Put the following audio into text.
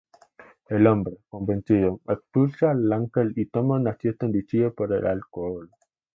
El hombre, convencido, expulsa al ángel y toma una siesta inducida por el alcohol.